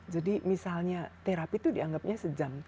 jadi misalnya terapi itu dianggapnya sejam